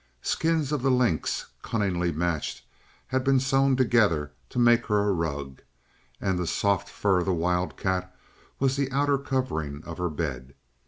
Skins of the lynx, cunningly matched, had been sewn together to make her a rug, and the soft fur of the wildcat was the outer covering of her bed.